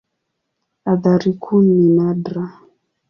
Athari kuu ni nadra.